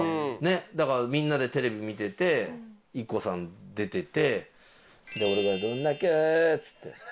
だからみんなでテレビ見ててＩＫＫＯさん出てて俺が「どんだけ！」っつって。